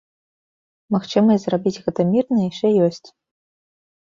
Магчымасць зрабіць гэта мірна яшчэ ёсць.